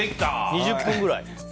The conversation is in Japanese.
２０分くらい。